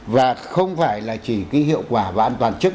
và không phải là chỉ cái hiệu quả và an toàn trước mắt